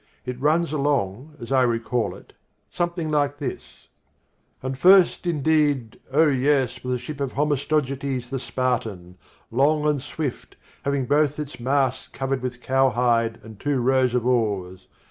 It runs along, as I recall it, something like this, "And first, indeed, oh yes, was the ship of Homistogetes the Spartan, long and swift, having both its masts covered with cowhide and two rows of oars.